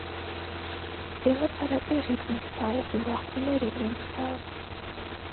ელაპარაკე რეგვენსაო, ურახუნე რეგვენსაო.